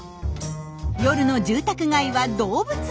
夜の住宅街は動物王国。